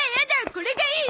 これがいい！